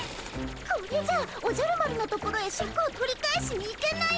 これじゃおじゃる丸のところへシャクを取り返しに行けないよ。